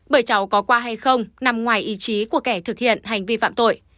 bởi cháu có qua hay không nằm ngoài ý chí của kẻ thực hiện hành vi phạm tội